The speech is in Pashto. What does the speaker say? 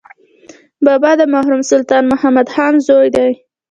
بابا د مرحوم سلطان محمد خان زوی دی.